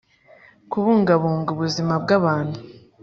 kubungabunga ubuzima bw abantu